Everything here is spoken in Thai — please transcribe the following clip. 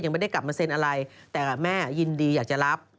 ไม่ได้กลับมาเซ็นอะไรแต่แม่ยินดีอยากจะรับ